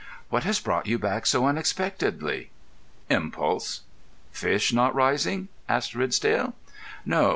"What has brought you back so unexpectedly?" "Impulse." "Fish not rising?" asked Ridsdale. "No.